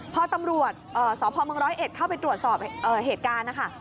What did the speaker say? พอตำรวจสพมร้อยเอ็ดเข้าไปตรวจสอบเหตุการณ์นะคะ